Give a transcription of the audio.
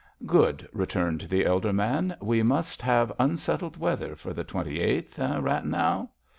"Good," returned the elder man. "We must have unsettled weather for the twenty eighth—eh, Rathenau?"